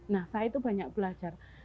nah saya itu banyak belajar